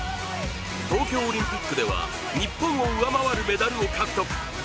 東京オリンピックでは日本を上回るメダルを獲得。